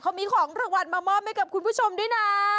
เขามีของรางวัลมามอบให้กับคุณผู้ชมด้วยนะ